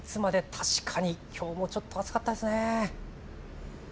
確かにきょうも暑かったですね。